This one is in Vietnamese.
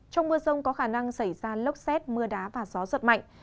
trong mưa rông có khả năng xảy ra lốc xét mưa đá và gió giật mạnh